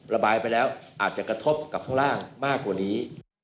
ระบายไปแล้วอาจจะกระทบกับข้างล่างมากกว่านี้